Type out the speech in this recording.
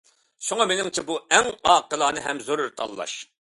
شۇڭا مېنىڭچە بۇ ئەڭ ئاقىلانە ھەم زۆرۈر تاللاش.